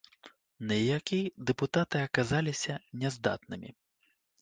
На які дэпутаты аказаліся няздатнымі.